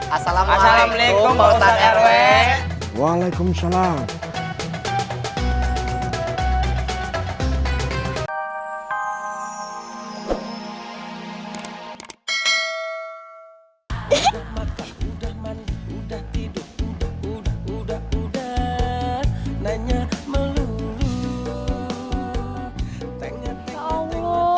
assalamualaikum bokar rw